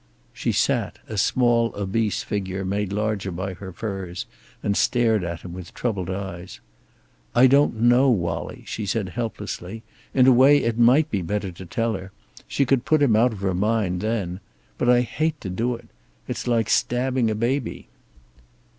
She sat, a small obese figure made larger by her furs, and stared at him with troubled eyes. "I don't know, Wallie," she said helplessly. "In a way, it might be better to tell her. She could put him out of her mind, then. But I hate to do it. It's like stabbing a baby."